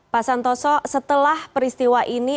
pak santoso setelah peristiwa ini